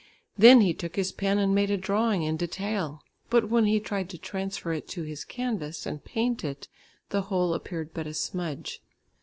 Then he took his pen and made a drawing in detail. But when he tried to transfer it to his canvas and paint it, the whole appeared but a smudge.